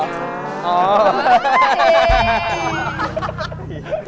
อ๋อจริง